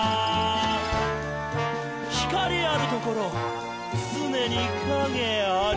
「光あるところ、つねに影あり！」